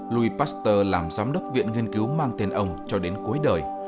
louis pasteur làm giám đốc viện nghiên cứu mang tên ông cho đến cuối đời